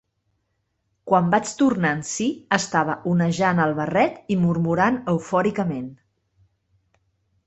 Quan vaig tornar en si estava onejant el barret i murmurant eufòricament.